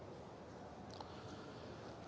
apa yang anda lakukan untuk memperbaiki pernyataan ini